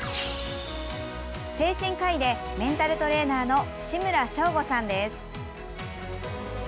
精神科医でメンタルトレーナーの志村祥瑚さんです。